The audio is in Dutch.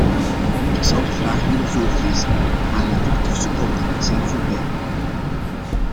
Ik zou de vragen willen voorlezen, maar mijn dertig seconden zijn voorbij.